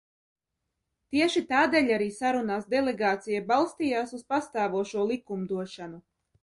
Tieši tādēļ arī sarunās delegācija balstījās uz pastāvošo likumdošanu.